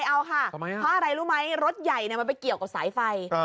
เอาค่ะเพราะอะไรรู้ไหมรถใหญ่มันไปเกี่ยวกับสายไฟ